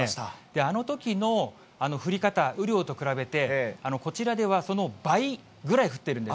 あのときの降り方、雨量と比べて、こちらではその倍ぐらい降ってるんです。